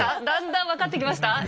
だんだん分かってきました？